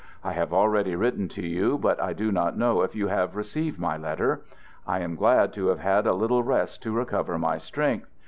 I have already written to you, but I do not know if you have received my letter. I am glad to have had a little rest to recover my strength.